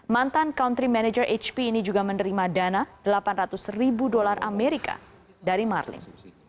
mantan country manager hp ini juga menerima dana delapan ratus ribu dolar amerika dari marlim